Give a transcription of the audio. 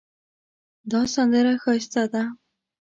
دا سندره ښایسته ده